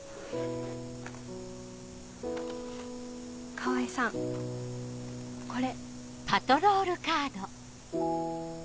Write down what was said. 川合さんこれ。